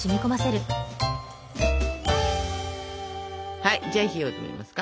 はいじゃあ火を止めますか。